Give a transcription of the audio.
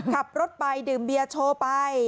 ขับรถไปดื่มเบียร์โชว์ไป